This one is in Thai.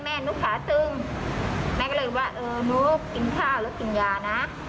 แม่นุ๊กขาตึงแม่เลยว่าเออนุ๊กกินข้าวแล้วกินยารักนะ